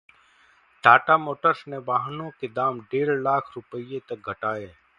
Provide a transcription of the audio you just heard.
Tata motors ने वाहनों के दाम डेढ़ लाख रुपये तक घटाए